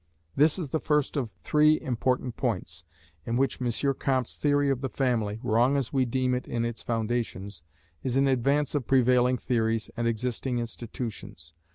This is the first of three important points, in which M. Comte's theory of the family, wrong as we deem it in its foundations, is in advance of prevailing theories and existing institutions.